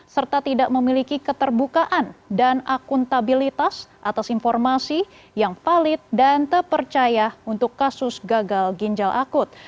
serta tidak memiliki keterbukaan dan akuntabilitas atas informasi yang valid dan terpercaya untuk kasus gagal ginjal akut